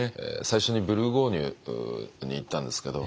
最初にブルゴーニュに行ったんですけど。